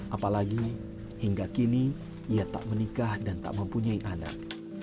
apalagi hingga kini ia tak menikah dan tak mempunyai anak